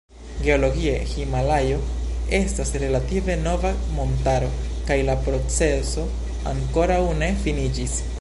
Geologie Himalajo estas relative nova montaro kaj la proceso ankoraŭ ne finiĝis.